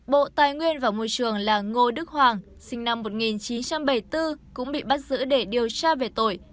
bộ tài nguyên và môi trường là ngô đức hoàng sinh năm một nghìn chín trăm bảy mươi bốn cũng bị bắt giữ để điều tra về tội